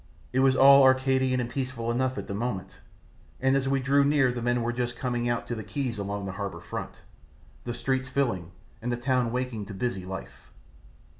It was all Arcadian and peaceful enough at the moment, and as we drew near the men were just coming out to the quays along the harbour front, the streets filling and the town waking to busy life.